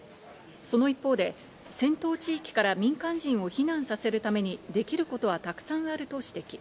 その一方で戦闘地域から民間人を避難させるためにできることはたくさんあると指摘。